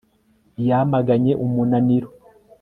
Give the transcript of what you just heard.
Yamaganye umunaniro